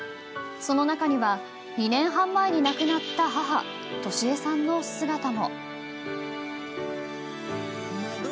その中には２年半前に亡くなった母俊恵さんの姿も。